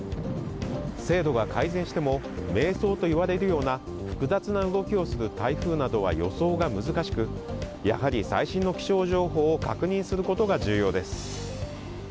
精度が改善しても迷走といわれるような複雑な動きをする台風などは予想が難しくやはり最新の気象情報を確認することが重要です。